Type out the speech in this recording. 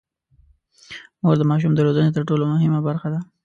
مور د ماشوم د روزنې تر ټولو مهمه برخه ده.